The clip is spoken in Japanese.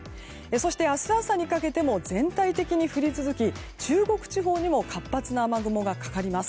明日朝にかけても全体的に降り続き中国地方にも活発な雨雲がかかります。